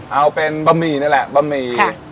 เอาเป็นบามีนี่แหละบามี